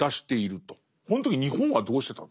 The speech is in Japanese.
この時日本はどうしてたの？